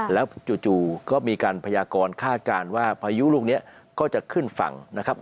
แล้วจู่ก็มีการพยากรคาดการณ์ว่าพายุลูกนี้ก็จะขึ้นฝั่งนะครับ